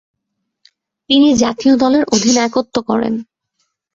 তিনি জাতীয় দলের অধিনায়কত্ব করেন।